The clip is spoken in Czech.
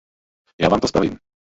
Já vám to spravím.